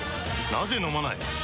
なぜ飲まない？